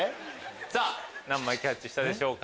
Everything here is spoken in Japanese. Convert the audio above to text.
さぁ何枚キャッチしたでしょうか？